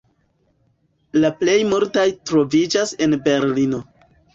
La plej multaj troviĝas en Berlino.